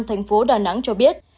thành phố đà nẵng cho biết